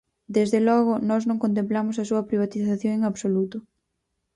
Desde logo nós non contemplamos a súa privatización en absoluto.